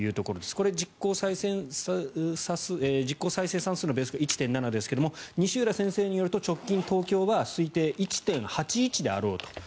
これ、実効再生産数１．７ですが西浦先生によると直近東京は１．８１であると。